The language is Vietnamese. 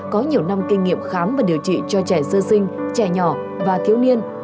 có nhiều năm kinh nghiệm khám và điều trị cho trẻ sơ sinh trẻ nhỏ và thiếu niên